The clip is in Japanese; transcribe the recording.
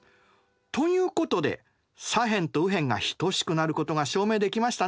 ということで左辺と右辺が等しくなることが証明できましたね。